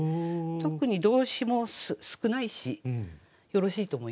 特に動詞も少ないしよろしいと思いました。